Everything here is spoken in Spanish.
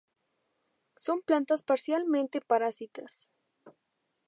Son plantas parcialmente parásitas.